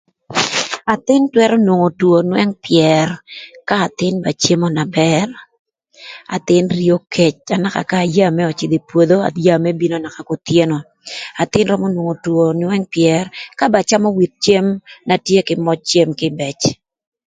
Athïn twërö nwongo two önwëng pyër, ka athïn ba cemo na bër, athïn rio kec, anaka ka aya mërë öcïdhö ï pwodho, aya mërë bino naka kothyeno, athïn römö nwongo two önwëng pyër ka ba cemo with cem na tye kï möc cem kïbëc.